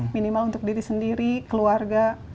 minimal untuk diri sendiri keluarga